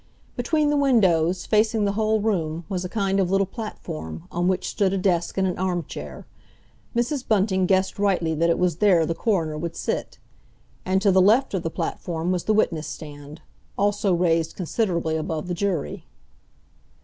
Between the windows, facing the whole room, was a kind of little platform, on which stood a desk and an arm chair. Mrs. Bunting guessed rightly that it was there the coroner would sit. And to the left of the platform was the witness stand, also raised considerably above the jury.